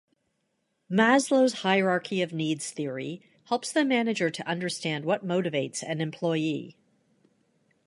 Maslow's hierarchy of needs theory helps the manager to understand what motivates an employee.